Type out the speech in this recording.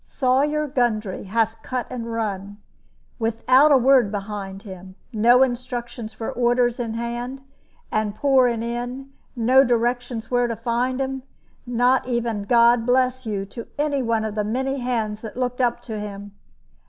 Sawyer Gundry hath cut and run, without a word behind him no instructions for orders in hand, and pouring in no directions where to find him, not even 'God bless you' to any one of the many hands that looked up to him.